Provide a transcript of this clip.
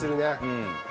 うん。